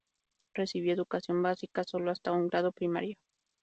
Recibió educación básica solo hasta un grado primario.